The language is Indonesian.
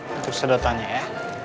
untuk sedotannya ya